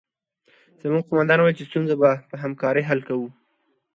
زموږ قومندان وویل چې ستونزې به په همکارۍ حل کوو